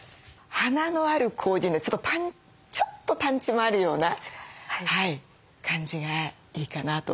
華のあるコーディネートちょっとパンチもあるような感じがいいかなと。